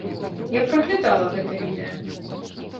Я праглядала гэта відэа.